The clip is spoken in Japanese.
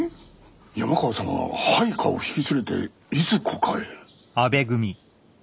山川様が配下を引き連れていずこかへ？